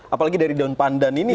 apalagi dari daun pandan ini